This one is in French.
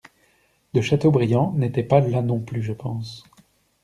De Châteaubriand n'était pas là non plus, je pense!